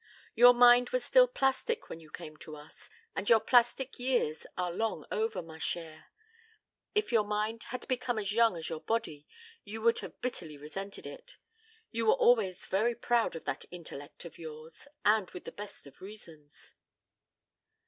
Your mind was still plastic when you came to us and your plastic years are long over, ma chère. If your mind had become as young as your body, you would have bitterly resented it. You were always very proud of that intellect of yours and with the best of reasons."